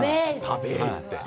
「食べえ」って。